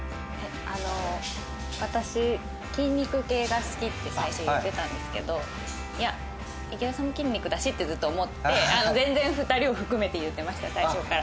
あの私筋肉系が好きって最初言ってたんですけど「いや池田さんも筋肉だし」ってずっと思ってて全然２人を含めて言ってました最初から。